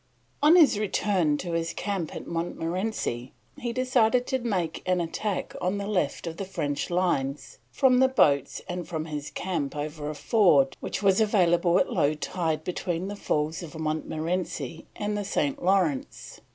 On his return to his camp at Montmorenci he decided to make an attack on the left of the French lines from boats and from his camp over a ford which was available at low tide between the falls of Montmorenci and the St. Lawrence.